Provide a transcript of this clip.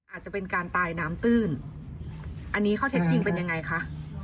อาจจะเป็นการตายน้ำตื้นอันนี้ข้อเท็จจริงเป็นยังไงคะ